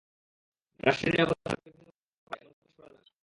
রাষ্ট্রের নিরাপত্তা বিঘ্নিত হতে পারে—এমন কোনো তথ্য ফাঁস করা যাবে না।